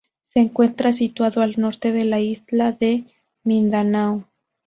Se encuentra situado al norte de la isla de Mindanao.